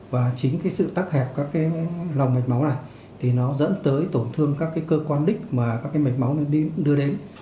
và chính sự tắt hẹp các lòng mạch máu này thì nó dẫn tới tổn thương các cơ quan đích mà các mạch máu đưa đến